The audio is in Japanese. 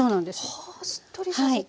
はあしっとりさせて。